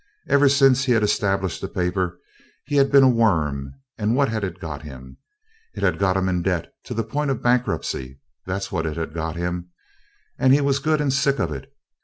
Ever since he had established the paper he had been a worm, and what had it got him? It had got him in debt to the point of bankruptcy that's what it had got him and he was good and sick of it!